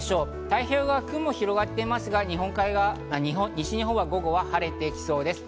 太平洋側は雲が広がっていますが西日本は午後は晴れてきそうです。